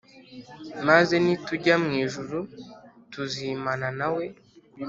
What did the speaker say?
Maze nitujya mu ijuru tuzimana nawe